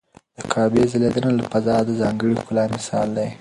د کعبې ځلېدنه له فضا د ځانګړي ښکلا مثال دی.